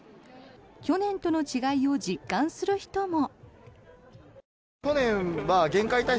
去年との違いを実感する人も。